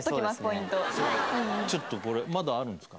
ちょっとこれまだあるんですか？